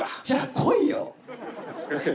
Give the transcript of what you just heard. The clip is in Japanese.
じゃあ、来いよ！